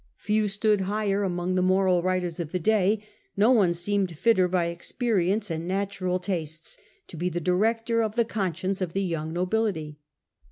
Few stood higher among the moral writers of the day, no one seemed fitter by experience and natural tastes to be director of the conscience of the young nobility.